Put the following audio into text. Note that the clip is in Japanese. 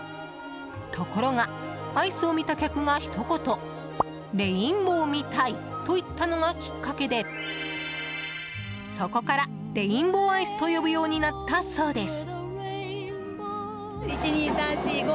ところがアイスを見た客がひと言レインボーみたいと言ったのがきっかけでそこからレインボーアイスと呼ぶようになったそうです。